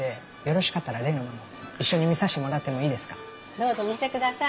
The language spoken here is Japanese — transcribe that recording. よう見てください。